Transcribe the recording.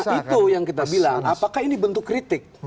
itu yang kita bilang apakah ini bentuk kritik